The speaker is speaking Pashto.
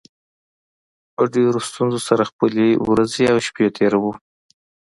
په ډېرو ستونزو سره خپلې ورځې او شپې تېروو